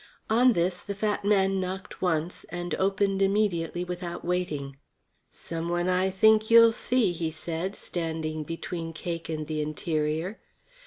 On this the fat man knocked once and opened immediately without waiting. "Someone I think you'll see," he said, standing between Cake and the interior.